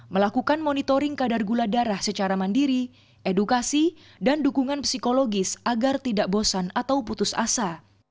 melakukan monitoring kadar gula darah secara mandiri edukasi dan dukungan psikologis agar tidak bosan atau putus asa